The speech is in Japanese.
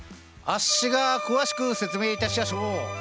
あっしが詳しく説明いたしやしょう。